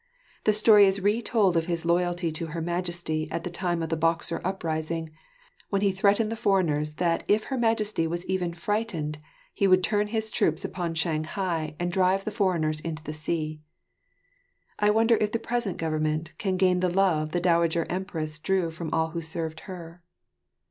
The story is retold of his loyalty to Her Majesty at the time of the Boxer uprising, when he threatened the foreigners that if Her Majesty was even frightened, he would turn his troops upon Shanghai and drive the foreigners into the sea. I wonder if the present government can gain the love the Dowager Empress drew from all who served her.